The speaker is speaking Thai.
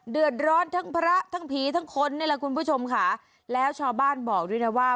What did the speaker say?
เดือดร้อนทั้งพระทั้งผีทั้งคนนี่แหละคุณผู้ชมค่ะแล้วชาวบ้านบอกด้วยนะว่า